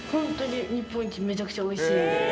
本当に日本一、めちゃくちゃおいしい。